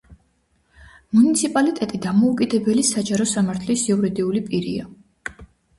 მუნიციპალიტეტი დამოუკიდებელი საჯარო სამართლის იურიდიული პირია.